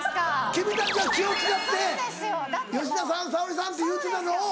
君たちは気を使って「吉田さん」「沙保里さん」って言うてたのを。